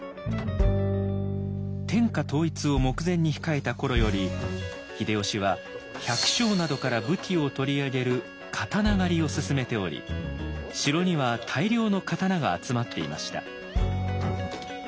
天下統一を目前に控えた頃より秀吉は百姓などから武器を取り上げる刀狩をすすめており城には大量の刀が集まっていました。